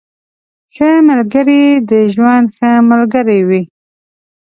ښه ملګري د ژوند ښه ملګري وي.